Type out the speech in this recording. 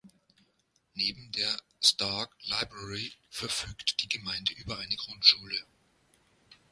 Neben der Stark Library verfügt die Gemeinde über eine Grundschule.